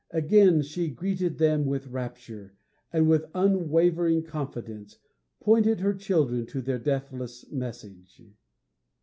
Again she greeted them with rapture, and, with unwavering confidence, pointed her children to their deathless message.